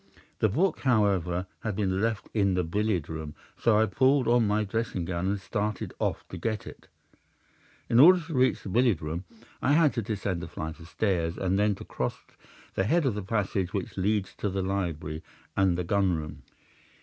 The book, however, had been left in the billiard room, so I pulled on my dressing gown and started off to get it. "'In order to reach the billiard room I had to descend a flight of stairs and then to cross the head of a passage which led to the library and the gun room.